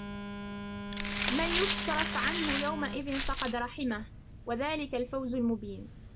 مَنْ يُصْرَفْ عَنْهُ يَوْمَئِذٍ فَقَدْ رَحِمَهُ وَذَلِكَ الْفَوْزُ الْمُبِينُ